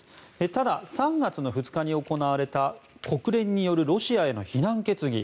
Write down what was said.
ただ、３月２日に行われた国連によるロシアへの非難決議。